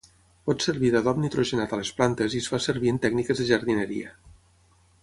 Pot servir d'adob nitrogenat a les plantes i es fa servir en tècniques de jardineria.